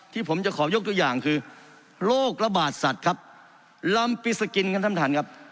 ที่ผมจะขอยกดูอย่างคือโรคระบาดสัตว์ครับล้ำปิดสกินกันท่านท่านครับ